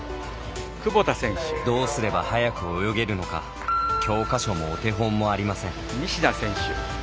どうすれば速く泳げるのか教科書もお手本もありません。